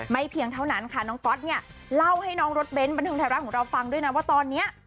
เพียงเท่านั้นค่ะน้องก๊อตเนี่ยเล่าให้น้องรถเบ้นบันเทิงไทยรัฐของเราฟังด้วยนะว่าตอนนี้